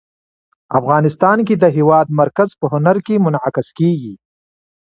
افغانستان کې د هېواد مرکز په هنر کې منعکس کېږي.